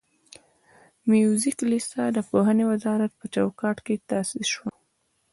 د موزیک لیسه د پوهنې وزارت په چوکاټ کې تاسیس شوه.